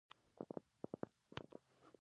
احمد په وچ مټ پيسې ګټلې دي.